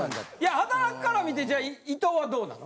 畠中から見てじゃあ伊藤はどうなの？